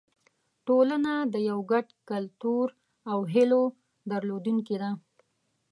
ټولنه د یو ګډ کلتور او هیلو درلودونکې ده.